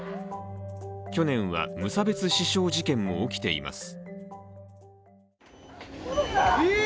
去年は、無差別刺傷事件も起きています。